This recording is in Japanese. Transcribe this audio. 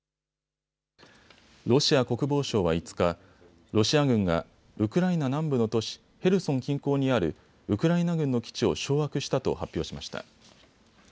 ロシア国防省は５日、ロシア軍がウクライナ南部の都市ヘルソン近郊にあるウクライナ軍の基地を掌握したと発表しました。